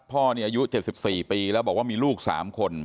พ่อนี่อายุ๗๔ปีแล้วบอกว่ามีลูก๓คน